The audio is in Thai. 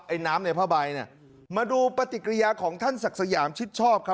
น้ำในผ้าใบเนี่ยมาดูปฏิกิริยาของท่านศักดิ์สยามชิดชอบครับ